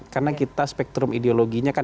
karena kita spektrum ideologinya kan